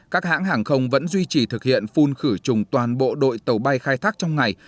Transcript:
các hãng hàng không vẫn duy trì thực hiện phun khử trùng toàn bộ đội tàu bay khai thác trong ngày